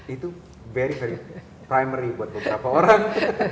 itu very very primary buat beberapa orang